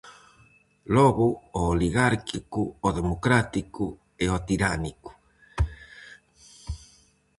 Logo, ao oligárquico, ao democrático e ao tiránico.